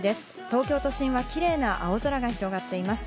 東京都心はキレイな青空が広がっています。